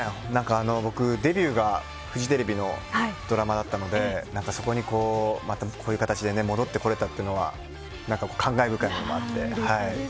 僕、デビューがフジテレビのドラマだったのでそこに、こういう形で戻ってこれたというのは感慨深いものがあって。